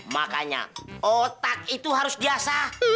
makanya otak itu harus biasa